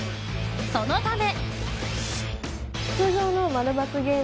そのため。